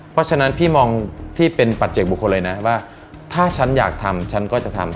เพราะฉะนั้นพี่มองที่เป็นปัจเจกบุคคลเลยนะว่าถ้าฉันอยากทำฉันก็จะทำ